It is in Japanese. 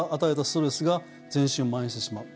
ストレスが全身をまん延してしまう。